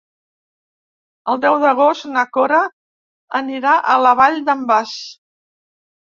El deu d'agost na Cora anirà a la Vall d'en Bas.